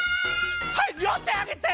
はいりょうてあげて！